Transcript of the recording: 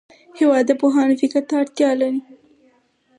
هېواد د پوهانو فکر ته اړتیا لري.